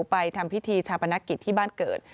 ไปทำพิธีชาปนกิจที่บ้านเกิด